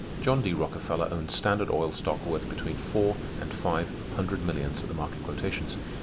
"John D. Rockefeller owns Standard Oil stock worth between four and five hundred millions at the market quotations.